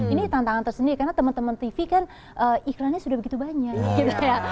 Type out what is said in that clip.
ini tantangan tersendiri karena temen temen tv kan iklannya sudah begitu banyak gitu ya